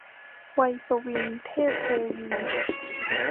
วัยสวิง - เทพเทวี